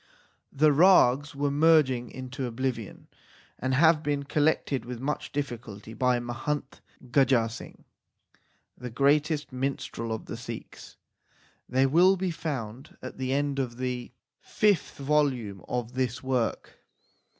The rags were merging into oblivion, and have been collected with much difficulty by Mahant Gaja Singh, the greatest minstrel of the Sikhs. They will be found at the end of the PREFACE xxvii fifth volume of this work.